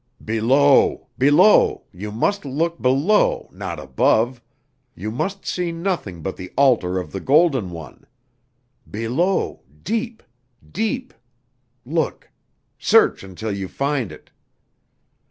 "Below below you must look below, not above. You must see nothing but the altar of the Golden One. Below, deep, deep look, search until you find it."